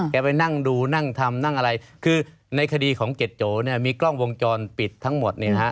ไปนั่งดูนั่งทำนั่งอะไรคือในคดีของเจ็ดโจเนี่ยมีกล้องวงจรปิดทั้งหมดเนี่ยนะฮะ